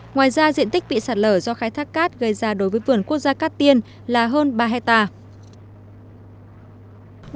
ngoài ra diện tích bị sạt lở do khai thác cát gây ra đối với vườn quốc gia cát tiên là hơn ba hectare